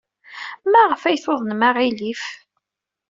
Maɣef ay tuḍnem aɣilif?